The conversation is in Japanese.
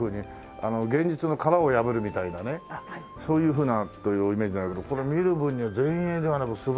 あの現実の殻を破るみたいなねそういうふうなというイメージだけどこれ見る分には前衛ではなく素晴らしい。